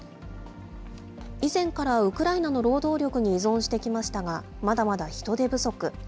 以前からウクライナの労働力に依存してきましたが、まだまだ人手不足。